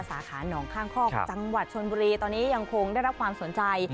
สาขาหนองข้างคอกจังหวัดชนบุรีตอนนี้ยังคงได้รับความสนใจ